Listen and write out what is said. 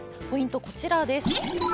ポイント、こちらです。